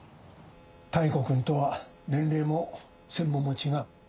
妙子君とは年齢も専門も違う。